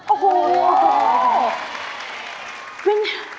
โอ้โห